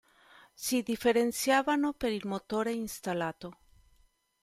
Si differenziavano per il motore installato.